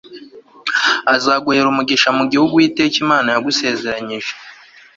azaguhera umugisha mu gihugu uwiteka imana yagusezeranyije